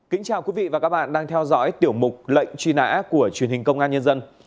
kính chào quý vị và các bạn đang theo dõi tiểu mục lệnh truy nã của truyền hình công an nhân dân